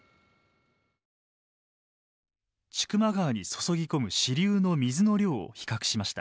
千曲川に注ぎ込む支流の水の量を比較しました。